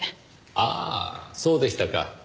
ああそうでしたか。